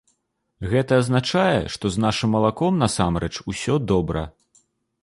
Гэта азначае, што з нашым малаком, насамрэч, усё добра.